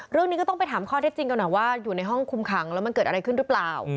เรื่องนี้ก็ต้องไปถามข้อเท็จจริงกันหน่อยว่าอยู่ในห้องคุมขังแล้วมันเกิดอะไรขึ้นหรือเปล่า